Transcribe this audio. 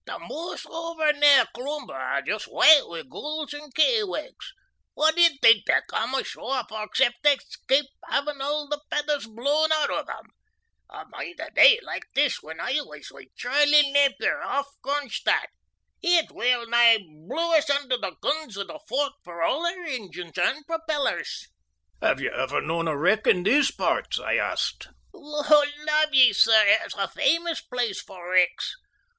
"The moors over near Cloomber are just white wi' gulls and kittiewakes. What d'ye think they come ashore for except to escape having all the feathers blown out o' them? I mind a day like this when I was wi' Charlie Napier off Cronstadt. It well nigh blew us under the guns of the forts, for all our engines and propellers." "Have you ever known a wreck in these parts?" I asked. "Lord love ye, sir, it's a famous place for wrecks.